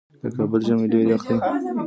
د کابل ژمی ډیر یخ دی